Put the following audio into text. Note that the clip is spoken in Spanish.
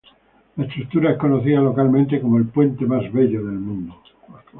La estructura es conocida localmente como el puente más bello del mundo.